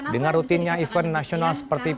dengan rutinnya event nasional seperti